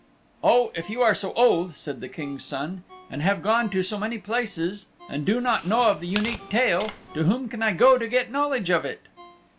"Oh, if you are so old," said the King's Son, "and have gone to so many places, and do not know of the Unique Tale, to whom can I go to get knowledge of it?"